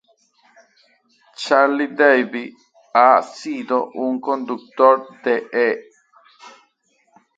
Charlie David ha sido un conductor de E!